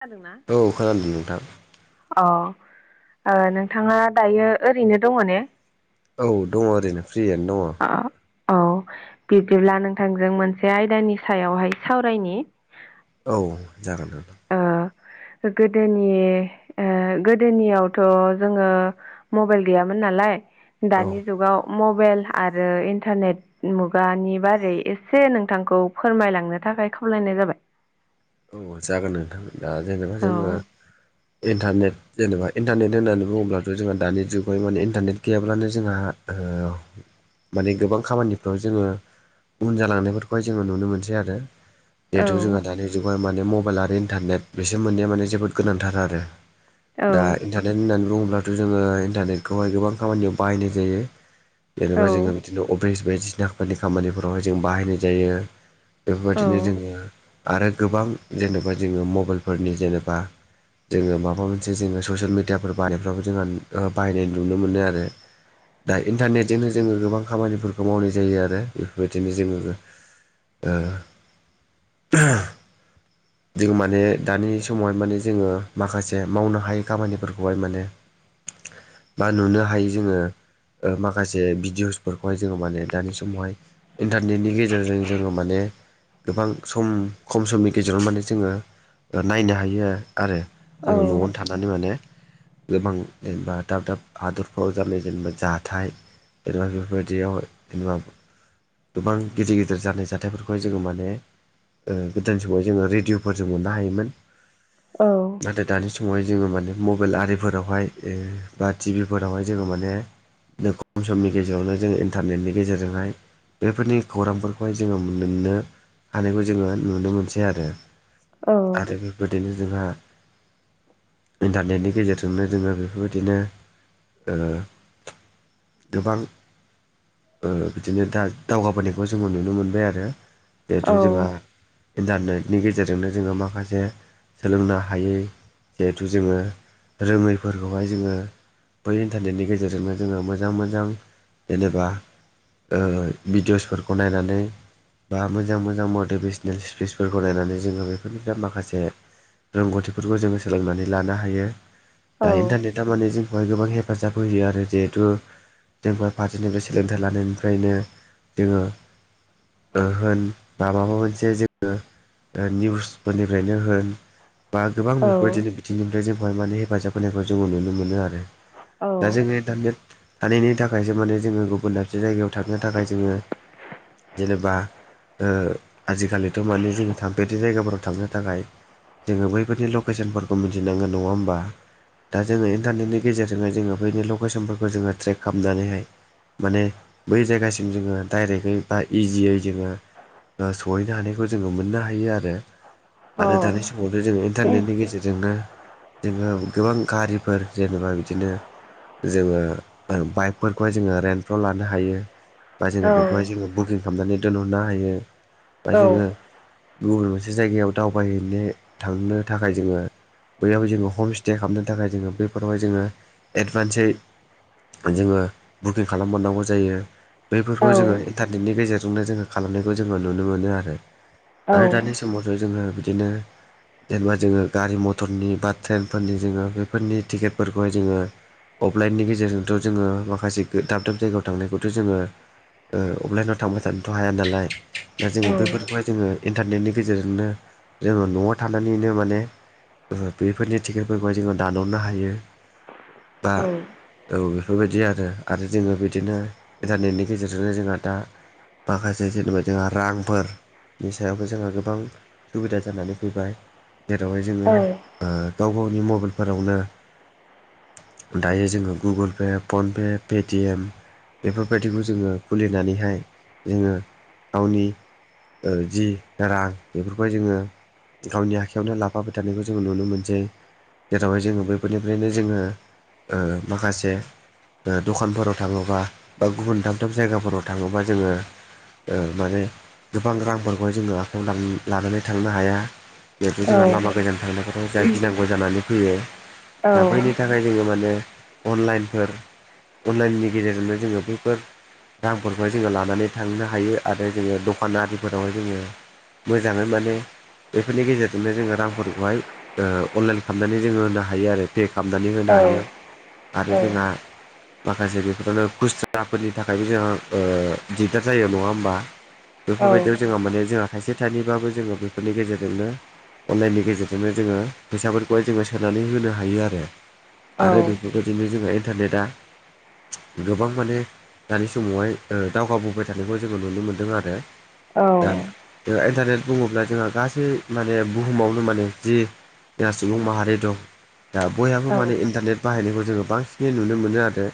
खोनादों ना? औ खोनादों नोंथां। अ ओ औ नोंथाङा दायो ओरैनो दङ ने? औ दङ ओरैनो फ्रियैनो दङ। आ औ। बिब्दिब्ला नोंथांजों मोनसे आयदानि सायावहाय सावरायनि। औ जागोन नोंथां। ओ गोदोनि ओ गोदोनियावथ' जोङो मबेल गैयामोन नालाय औ दानि जुगाव मबेल आरो इन्टारनेट मुगानि बारै एसे नोंथांखौ फोरमायलांनो थाखाय खावलायनाय जाबाय। औ जागोन नोंथां दा जेनेबा औ जोङो इन्टारनेट जेनेबा इन्टारनेट होननानै बुङोब्लाथ' जोंहा दानि जुगाव माने इन्टारनेट गैयाब्लानो जोंहा ओ माने गोबां खामानिफ्राव जोङो उन जालांनायफोरखौहाय जोङो नुनो मोनसै आरो। औ जिहेथु जोंहा दानि जुगावहाय माने मबेल आरो इन्टारनेट बेसोर मोनैया माने जोबोद गोनांथार आरो। औ दा इन्टारनेट होननानै बुङोब्लाथ' जोङो इन्टारनेटखौहाय गोबां खामानियाव बाहायनाय जायो। औ जेनेबा जोङो बिदिनो अफिस बायदिसिनाफोरनि खामानिफोरावहाय जों बाहायनाय जायो। औ बेफोरबायदिनो जोङो आरो गोबां जेनेबा जोङो मबेलफोरनि जेनेबा जोङो माबा मोनसे जोङो ससियेल मिडियाफोर बानायफ्रावबो जोङो बाहायनाय नुनो मोनो आरो। दा इन्टारनेटजोंनो जोङो गोबां खामानिफोरखौ मावनाय जायो आरो बेफोरबायदिनो जोङो ओ जों माने दानि समावहाय माने जोङो माखासे मावनो हायै खामानिफोरखौहाय माने [inaudible] बा नुनो हायो जोङो ओ माखासे भिडिअ'सफोरखौहाय जोङो माने दानि समावहाय इन्टारनेटनि गेजेरजों जोङो माने गोबां सम खम समनि गेजेरावनो माने जोङो ओ नायनो हायो आ आरो जोङो न'आवनो थानानै माने गोबां जेनेबा दाब - दाब हादरफ्राव जानाय जेनेबा जाथाय एबा बेफोरबायदियाव [unintelligible] गोबां गिदिर - गिदिर जानाय जाथायफोरखौहा जोङो माने ओ [unintelligible] [unintelligible] समाव जोङो रेडिअ'फोर जों मोननो हायोमोन। औ। नाथाय दानि समावहाय जोङो माने मबेल आरिफोरावहाय ओ बा टि भि फोरावहाय जोङो माने [unintelligible] समनि गेजेरावनो जों इन्टारनेटनि गेजेरजोंहाय बेफोरनि खौरांफोरखौहाय जोङो मोननो हानायखौ जोङो नुनो मोनस बिदि आरो बेबायदिनो जोंहा इन्टारनेटनि गेजेरजोंनो जोङो बेफोरबायदिनो ओ गोबां ओ बिदिनो दा दावगाबोनायखौ जोङो नुनो मोनबाय आरो जिहेथु औ जोंहा इन्टारनेटनि गेजेरजोंनो जोङो माखासे सोलोंनो हायै जेहुथु जोङो रोङैफोरखौहाय जोङो बै इन्टारनेटनि गेजेरजोंनो जोङो मोजां-मोजां जेनेबा ओ भिडिअसफोरखौ नायनानै बा मोजां-मोजां मटिभेसनेलस फ्रिसफोरखौ नायनानै जोङो बेफोरनिफ्राय माखासे रोंगौथिफोरखौ जोङो सोलोंनानै लानो हायो। औ [unintelligible] थारमाने जोंखौहाय गोबां हेफाजाब होयो आरो जेहुतु जोंफोर फारसेनिफ्राय सोलोंथाइ लानायनिफ्रायनो जोङो ओ होन माबाबा मोनसे जे ओ दा निउसफोरनिफ्रायनो होन बा गोबां औ बेफोरबायदिनो अ दिनिफ्राय जोंखौहाय माने हेफाजाब होनायखौ जोङो नुनो मोनो आरो औ दा जोङो इन्टारनेट थानायनि थाखायसो माने जोङो गुबुन दाबसे जायगायाव थांनो थाखाय जोङो जेनेबा ओ आजिखालि थारमाने जोङो थांफेरि जायगाफोराव थांनो थाखाय जोङो बैफोरनि लकेसनफोरखौ मिथिनांगोन नङा होमबा। दा जोङो इन्टारनेटनि गेजेरजोंहाय जोङो बैनि लकेसनफोरखौ जोङो ट्रेक खालामनानैहाय माने बै जायगासिम जोङो डाइरेकयै बा इजियै जोङो ओ सहैनो हानायखौ जोङो मोननो हायो आरो। औ आरो दानि समाव जोङो इन्टारनेटनि गेजेरजोंनो जोङो गोबां गारिफोर जेनेबा बिदिनो जोङो बाइकफोरखौहाय जोङो रेन्टफ्राव लानो हायो। बा औ जोङो बेखौहाय जोङो बुकिं खालामनानै दोनहरनो हायो बा जोङो गुबुन मोनसे जायगायाव दावबायहैनो थांनो थाखाय जोङो बैयावहाय जोङो हमस्ते खालामनो थाखाय जोङो बैफोरावहाय जोङो एडभान्ससै जोङो बुकिं खालाम हरनांगौ जायो। बैफोरखौ जोङो इन्टारनेटनि गेजेरजोंनो जोङो खालामनायखौ जोङो नुनो मोनो आरो। आरो दानि समावथ' जोङो बिदिनो जेनेबा जोङो गारि मटरनि बा ट्रेनफोरनि जोङो बेफोरनि टिकेटफोरखौहाय जोङो अफलाइननि गेजेरजोंथ' जोङो माखासे दाब - दाब जायगायाव थांनायखौथ' जोङो ओ अफलाइनाव थांबाय थानोथ' हाया नालाय दा जोङो बेफोरखौहाय जोङो इन्टारनेटनि गेजेरजोंनो जोङो नआव थानानैनो माने बेफोरनि टिकेटफोरखौहाय जोङो दानहरनो हायो बा औ बेफोरबायदि आरो आरो जोङो बिदिनो इन्टारनेटनि गेजेरजोंनो जोंहा दा माखासे जेनेबा जोंहा रांफोर नि सायावबो जोंहा गोबां सुबिदा जानानै फैबाय जेरावहाय जोङो ओ गाव गावनि मबाइलफोरावनो दायो जोङो गुगोल पे, फनपे, पेटिएम बेफोरबायदिखौ जोङो खुलिनानैहाय जोङो गावनि ओ जि रां बेफोरखौहाय जोङो गावनि आखायावनो लाफाबाय थानायखौ जोंङो नुनो मोनसै। जेरावहाय जोङो बैफोरनिफ्रायनो जोङो ओ माखासे दखानफोराव थाङोबा बा गुबुन दाब दाब जायगाफोराव थाङोबा जोङो ओ माने गोबां रांफोरखौहाय जोङो आखायाव लानानै थांनो हाया। बेखौ जोंहा लामा गोजान थांनायखौथ' जा गिनांगौ जानानै फैयो दा बैनि थाखाय ओमफ्राय जोङो माने अनलाइनफोर अनलाइननि गेजेरजोंनो जोङो बैफोर रांफोरखौहाय जोङो लानानै थांनो हायो आरो जोङो दखानदारिफोरावहाय जोङो मोजाङै माने बेफोरनि गेजेरजोंनो जोङो रांफोरखौहाय ओ अनलाइन खालामनानै जोङो होनो हायो आरो। पे खालामनानै होनो हायो आरो जोंहा माखासे बेफोरावनो खुसराफोरनि थाखायबो जोंहा दिगदार जायो नङा होमबा बेफोरबायदियाव जोंहा माने जोंहा थाइसे थाइनैबाबो जोङो बेफोरनि गेजेरजोंनो अनलाइननि गेजेरजोंनो जोङो फैसाफोरखौहाय जोङो सोनानै होनो हायो आरो आरो बेबायदिनो जोंहा इन्टारनेटआ गोबां माने दानि समावहाय दावगाबोबाय थानायखौ जोङो नुनो मोनदों आरो। औ दा जों इन्टारनेट बुङोब्ला जोंहा गासै माने बुहुमावनो माने जि जा सुबुं माहारि दं दा बयहाबो माने इन्टारनेट बाहायनायखौ जोङो बांसिनै नुनो मोनो आरो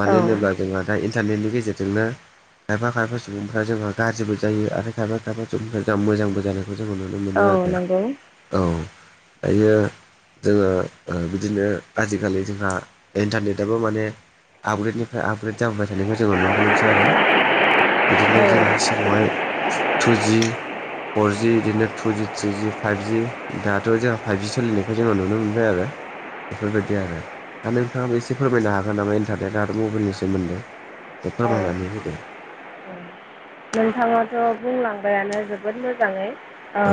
मानो होनोब्ला जोंहा दा इन्टारनेटनि गेजेरजोंनो खायफा खायफा सुबुंफ्रा जोंहा गाज्रिबो जायो आरो खायफा खायफा जों मोजांबो जानायखौ जोङो नुनो मोनो औ आरो। नंगौ औ दायो जोङो बिदिनो आजिखालि जोंहा इन्टारनेटबो माने आपग्रेडनिफ्राय आपग्रेड जाहोबाय थानायखौ जोङो नुनो मोनसै आरो बिदिनो जोङो सिगाङावहाय टुजि फरजि बिदिनो टुजि थ्रिजि फाइभजि दाथ जोंहा फाइभजि सोलिनायखौ जोङो नुनो मोनबाय आरो। बेफोरबायदि आरो दा नोंथाङाबो एसे फोरमायनो हागोन नामा इन्टारनेटआ मबाइलनि सोमोन्दै? एसे औ फोरमायनानै होदो? [inaudible] नोंथाङाथ' बुंलांबायानो जोबोद मोजाङै ओ औ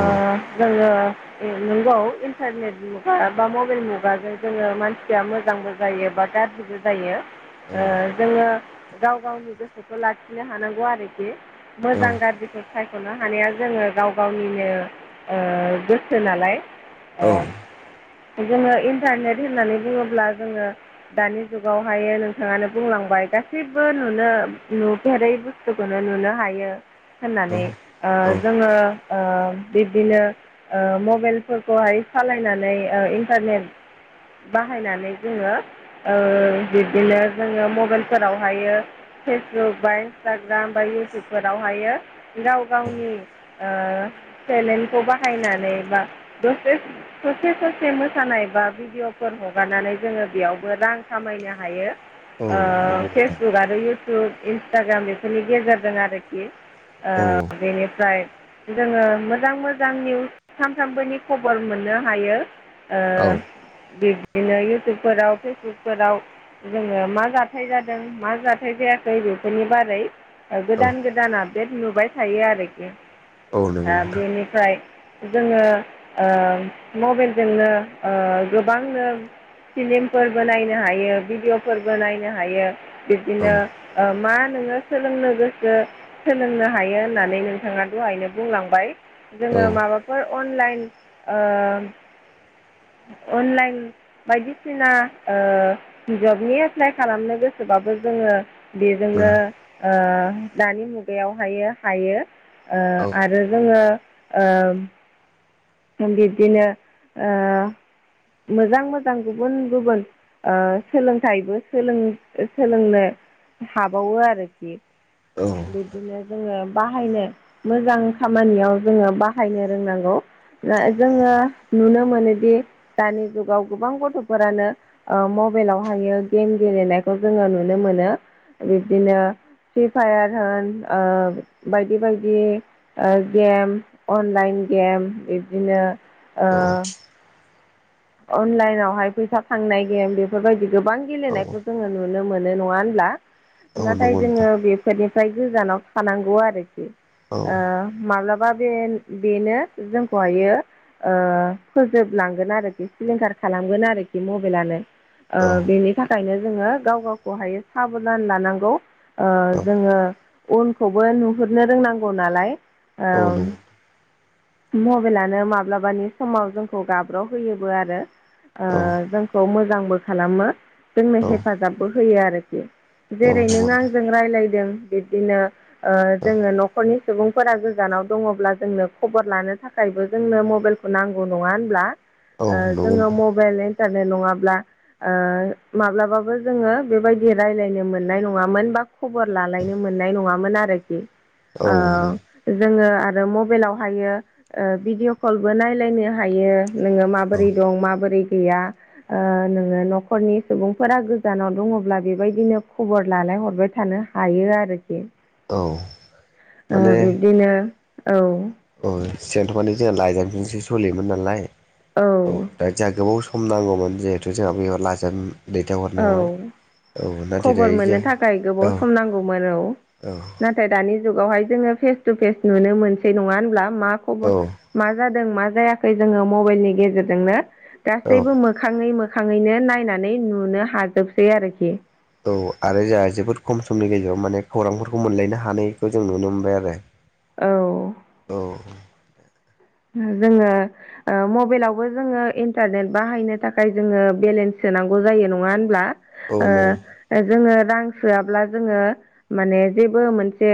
जोङो ओ नोंगौ इन्टारनेट मुगा बा मबेल मुगाजों जोङो मानसिया मोजांबो जायो बा गाज्रिबो जायो औ ओ जोङो गाव गावनि गोसोखौ लाखिनो हानांगौ आरोखि। मोजां औ गाज्रिखौ साय साख'नो हानाया जोङो गाव गावनिनो ओ गोसो नालाय। औ ओ जोङो इन्टारनेट होननानै बुङोब्ला जोङो दानि जुगावहायो नोंथाङानो बुंलांबाय गासैबो नुनो नुफेरै बुस्थु खौनो नुनो हायो होननानै औ ओ औ जोङो ओ बिब्दिनो ओ मबेलफोरखौहाय सालायनानै ओ इन्टारनेट बाहायनानै जोङो ओ बिब्दिनो जोङो मबेलफोरावहायो फेसबुक बा इन्सटा ग्राम बा इउटुबफोरावहाय गाव गावनि ओ टेलेन्टखौ बाहायनानै बा दसे ससे ससे मोसानाय बा भिडिय'फोर हगारनानै जोङो बेयावबो रां खामायनो हायो औ ओ नंगौ नोंथां फेसबुक आरो इउ टुब इन्सटाग्राम बेफोरनि गेजेरजों आरोखि ओ औ बेनिफ्राय जोङो मोजां मोजां निउस सानथामबोनि खबर मोननो हायो ओ औ बिब्दिनो इउटुबफोराव फेसबुकफोराव जोङो मा जाथाय जादों मा जाथाय जायाखै बेफोरनि बारै औ गोदान गोदान आपडेट नुबाय थायो आरोखि औ नंगौ ओ नोंथां बेनि फ्राय जोङो ओ मबेलजोंनो ओ गोबांनो फिलिमफोरबो नायनो हायो भिडिअफोरबो नायनो हायो औ बिब्दिनो ओ मा नोङो सोलोंनो गोसो सोलोंनो हायो होननानै नोंथाङा दहायनो बुंलांबाय औ जोङो माबाफोर अनलाइन ओ अनलाइन बायदिसिना ओ जबनि एप्लाइ खालामनो गोसोबाबो जोङो बेजोंङो ओ दानि मुगायावहायो हायो ओ औ आरो जोङो ओ बिब्दिनो ओ मोजां मोजां गुबुन गुबुन ओ सोलोंथाइबो सोलों-सोलोंनो हाबावो आरोखि बिब दिनो जोङो बाहायनो मोजां खामानियाव जोङो बाहायनो रोंनांगौ ओ जोङो नुनो मोनोदि दानि जुगाव गोबां गथ'फोरानो ओ मबेलावहायो गेम गेलेनायखौ जोङो नुनो मोनो बिब्दिनो फ्रि फायार होन ओ बायदि बायदि ओ गेम अनलाइन गेम बिब्दिनो ओ औ अनलाइनावहाय फैसा थांनाय गेम बेफोरबायदि गोबां औ गेलेनायफोर जोङो नुनो मोनो नङा होनब्ला औ नाथाय नंगौ जोङो नोंथां बे फोरनिफ्राय गोजानाव थानांगौ आरोखि औ ओ माब्लाबा बे-बेनो जोंखौहायो ओ फोजोबलांगोन आरो बे सिलिंखार खालामगोन आरोखि मबेलानो ओ औ बेनि था खायनो जोङो गाव गावखौहायो साबधान लानांगौ ओ औ जोङो उनखौबो नुहुरनो रोंनांगौ नालाय ओ औ नंगौ मबेलानो माब्लाबानि समाव जोंखौ गाब्र' होयोबो आरो ओ औ जों खौ मोजांबो खालामो जोंनो हेफाजाबबो होयो आरोखि औ नंगौ नोंथां औ जेरै नों नंगौ आं जोङो राय्लायदों, बिबदिनो ओ नोंथां जोंङो न'खरनि सुबुंफोरा गोजानाव दङब्ला जोंनो खबर लानो थाखायबो जोंनो मबाइलखौ नांगौ नङा होनब्ला ओ जोंङो मबाइल इन्टारनेट नङाब्ला ओ माब्लाबाबो जोंङो बेबायदि रायज्लायनो मोननाय नङामोन बा खबर लालायनो मोननाय नङामोन आरो औ नंगौ ओ जोंङो आरो मबाइलावहायो ओ भिडिअ' कलबो नायलायनो हायो नोंङो माबा औ बोरै दं मा बोरै गैया ओ नोंङो न'खरनि सुबुंफोरा गोजानाव दंङोब्ला बेबायदिनो खबर लालायहरबाय थानो हायो आरोखि औ ओ माने बिब्दिनो औ। औ सिगांथ' माने जोंहा लाइजामजोंसो सोलियोमोन नालाय औ दा जोंहा [unintelligible] खम नांगौमोन जिहेथु जोंहा बेयाव लाइजाम औ दैथायहरनायावहाय औ नाथाय खबर दायो मोननो जोंहा थाखाय गोबाव सम औ नांगौमोन औ [inaudible] नाथाय दानि जुगावहाय जोंङो फेस टु फेस नुनो मोनसै नङा होनब्ला मा खबर औ मा जादों मा जायाखै जोंङो मबाइलनि गेजेरजोंनो औ गासैबो मो मोखांङै मोखांङैनो नायनानै नुनो हाजोबसै आरोखि औ आरो जोंहा जोबोद खम समनि गेजेराव माने खौरांफोरखौ मोनलायनो हानायखौ जों नुनो मोनबाय आरो। औ। औ। जोंङो ओ मबाइलावबो जोंङो इन्टारनेट बाहायनो थाखाय जोंङो बेलेन्स सोनांगौ जायो नङा होनब्ला? औ ओ, नंगौ जोंङो रां सोआब्ला जोंङो माने जेबो मोनसे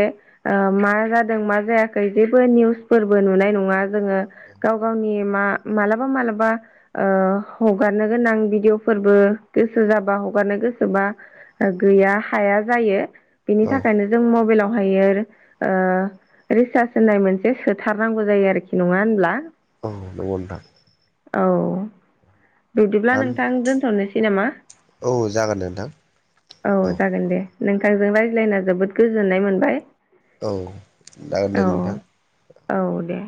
ओ, मा जादों मा जायाखै जेबो निउसफोरबो नुनाय नङा। जोंङो गाव-गावनि मा मालाबा- मालाबा ओ हगारनो गोनां भिदिवअफोरबो गोसो जाबा हगारनो गोसोबा गैया हाया जायो। बेनि औ थाखायनो जों मबाइलावहायो ओ रिसार्ज होननाय मोनसे सोथारनांगौ जायो आरोखि। नङा होनब्ला? औ नंगौ नोंथां। औ। बिदिब्ला नोंथां दोनथ' नोसै नामा? औ जागोन दे नोंथां औ जागोन दे। नोंथांजों रायज्लायना जोबोद गोजोननाय मोनबाय। औ जागोन दे औ नोंथां। औ दे‌।